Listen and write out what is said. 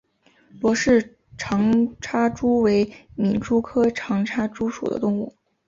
罗氏长插蛛为皿蛛科长插蛛属的动物。